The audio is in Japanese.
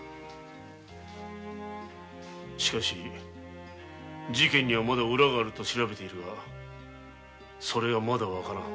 しかし事件にはまだ裏があるとみて調べているがそれがまだわからぬ。